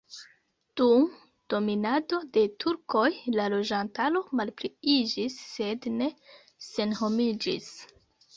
Dum dominado de turkoj la loĝantaro malpliiĝis sed ne senhomiĝis.